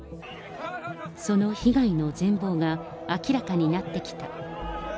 その被害の全ぼうが明らかになってきた。